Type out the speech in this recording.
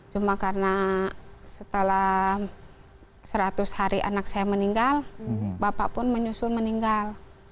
cuma karena setelah seratus hari anak saya meninggal bapak pun menyusun meninggal